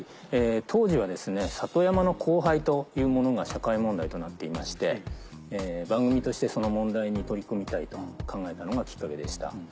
当時は里山の荒廃というものが社会問題となっていまして番組としてその問題に取り組みたいと考えたのがきっかけでした。